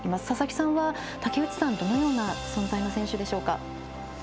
佐々木さんは竹内さんどのような存在の選手でしょうか。